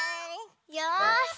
よし。